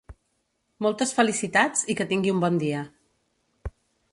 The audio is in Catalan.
Moltes felicitats i que tingui un bon dia.